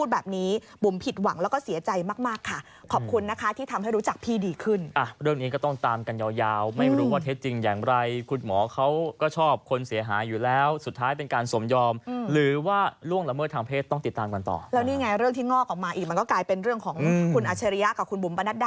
แบบนี้บุ๋มผิดหวังแล้วก็เสียใจมากค่ะขอบคุณนะคะที่ทำให้รู้จักพี่ดีขึ้นเรื่องนี้ก็ต้องตามกันยาวไม่รู้ว่าเท็จจริงอย่างไรคุณหมอเขาก็ชอบคนเสียหายอยู่แล้วสุดท้ายเป็นการสมยอมหรือว่าล่วงละเมิดทางเพศต้องติดตามกันต่อแล้วนี่ไงเรื่องที่งอกออกมาอีกมันก็กลายเป็นเรื่องของคุณอัชริยะกับคุณ